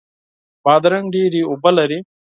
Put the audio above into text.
بادرنګ ډیرې اوبه لري.